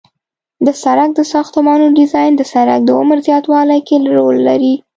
د سرک د ساختمانونو ډیزاین د سرک د عمر په زیاتوالي کې رول لري